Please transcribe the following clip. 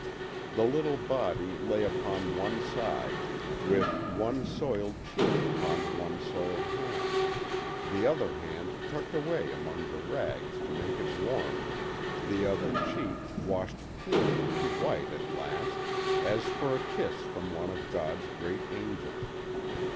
The little body lay upon one side, with one soiled cheek upon one soiled hand, the other hand tucked away among the rags to make it warm, the other cheek washed clean and white at last, as for a kiss from one of God's great angels.